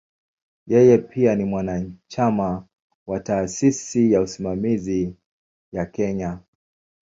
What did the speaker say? Yeye pia ni mwanachama wa "Taasisi ya Usimamizi ya Kenya".